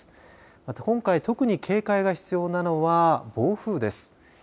また、今回特に警戒が必要なのは暴風です。